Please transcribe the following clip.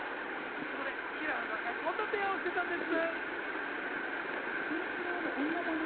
そこで平原さんがこんな提案をしていたんです。